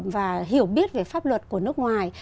và hiểu biết về pháp luật của nước ngoài